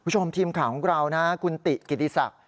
คุณผู้ชมทีมข่าวของเรานะคุณติกิติศักดิ